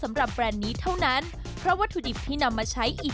แบรนด์นี้เท่านั้นเพราะวัตถุดิบที่นำมาใช้อีก